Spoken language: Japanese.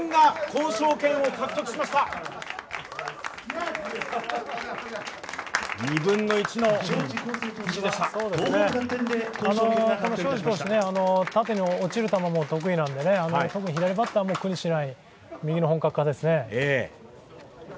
この荘司投手、縦に落ちる球も得意なんで、特に左バッターも苦にしない右の本格派ですね。